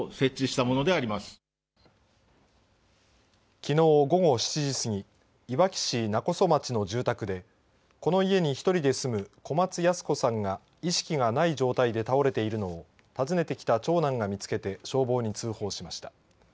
きのう午後７時過ぎいわき市勿来町の住宅でこの家に１人で住む小松ヤス子さんが意識がない状態で倒れているのを訪ねてきた長男が見つけて消防に通報しました。